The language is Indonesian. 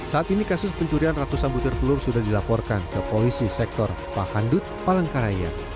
saat ini kasus pencurian ratusan butir telur sudah dilaporkan ke polisi sektor pahandut palangkaraya